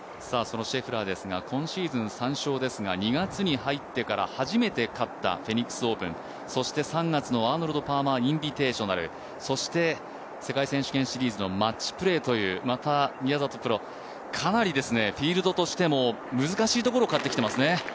そのシェフラーですが、今シーズン３勝ですが、２月に入ってから初めて勝ったフェニックスオープンそして３月のアーノルド・パーマーインビテーショナル、そして世界選手権シリーズのマッチプレーというかなりフィールドとしても難しいところを勝ってきていますよね。